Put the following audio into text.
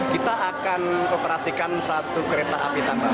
kita akan operasikan satu kereta api tambahan